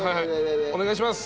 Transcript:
お願いします！